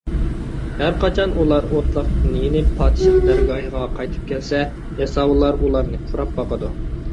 ھەرقاچان ئۇلار ئوتلاقتىن يېنىپ پادىشاھ دەرگاھىغا قايتىپ كەلسە، ياساۋۇللار ئۇلارنى پۇراپ باقىدۇ.